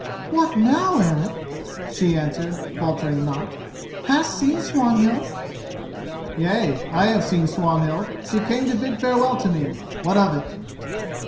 "What now, Eric?" she answered, faltering not. "Hast seen Swanhild?" "Yea, I have seen Swanhild. She came to bid farewell to me. What of it?"